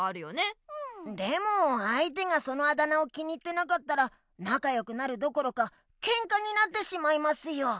でもあいてがそのあだ名を気に入ってなかったらなかよくなるどころかケンカになってしまいますよ。